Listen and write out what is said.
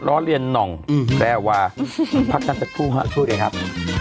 ร้อเรียนน่องแพรวาภาพกันศักดิ์ภูมิภาพคู่ดิครับ